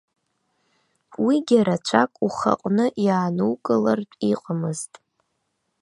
Уигьы рацәак ухаҟны иаанукылартә иҟамызт.